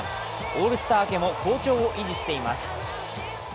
オールスター明けも好調を維持しています。